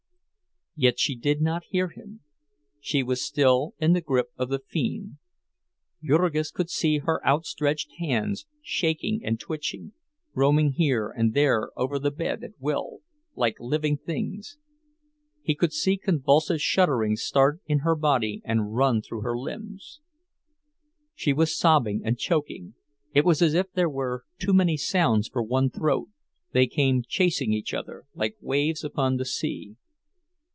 Yet she did not hear him—she was still in the grip of the fiend. Jurgis could see her outstretched hands, shaking and twitching, roaming here and there over the bed at will, like living things; he could see convulsive shudderings start in her body and run through her limbs. She was sobbing and choking—it was as if there were too many sounds for one throat, they came chasing each other, like waves upon the sea.